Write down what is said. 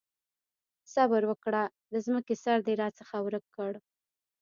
صبره وکړه! د ځمکې سر دې راڅخه ورک کړ.